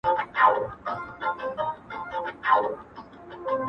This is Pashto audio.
ځوانه د لولیو په بازار اعتبار مه کوه-